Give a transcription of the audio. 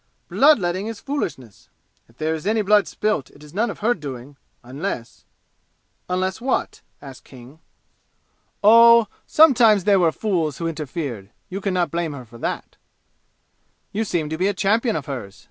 Blood letting is foolishness. If there is any blood spilt it is none of her doing unless " "Unless what?" asked King. "Oh sometimes there were fools who interfered. You can not blame her for that." "You seem to be a champion of hers!